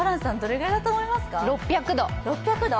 ６００度。